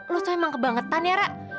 lo tuh emang kebangetan ya ra